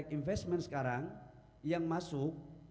investasi yang masuk